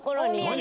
何？